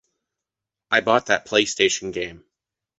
I bought that PlayStation game.